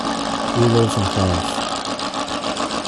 He lives in France.